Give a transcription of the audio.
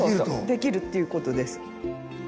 できるっていうことです。